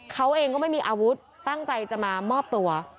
เขาเองก็ไม่มีอาวุธตั้งใจจะมามอบตัว